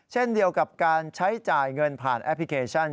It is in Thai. เช่นเดียวกับการใช้จ่ายเงินผ่านแอปพลิเคชัน